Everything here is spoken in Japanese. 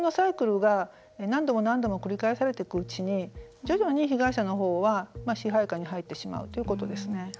このサイクルが何度も何度も繰り返されていくうちに徐々に被害者が支配下に入ってしまうということですね。